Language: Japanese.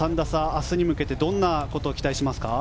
明日に向けてどんなことを期待しますか？